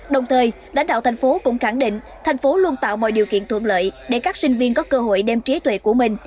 đồng thời lãnh đạo thành phố cũng khẳng định thành phố luôn tạo mọi điều kiện thuận lợi để các sinh viên có cơ hội đem trí tuệ của mình